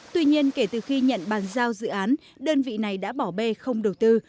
tuy nhiên kể từ khi nhận bàn giao dự án đơn vị này đã bỏ bê không đầu tư